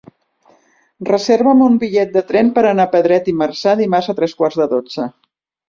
Reserva'm un bitllet de tren per anar a Pedret i Marzà dimarts a tres quarts de dotze.